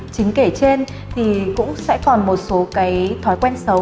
chính kể trên thì cũng sẽ còn một số cái thói quen xấu